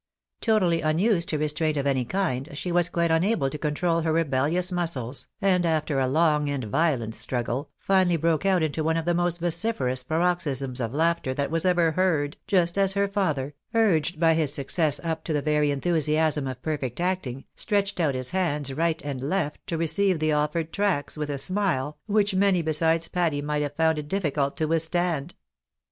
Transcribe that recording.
Totally unused to restraint of any kind, she was quite unable to control her rebellious muscles, and after a long and violent struggle, finally broke out into one of the most vociferous paroxysms of laughter _that was ever heard, just as her father, urged by his success up to the very enthusiasm of perfect acting, stretched out his hands right and left to receive the offered tracts, with a smile, which many besides Patty might have found it difii cult to withstand.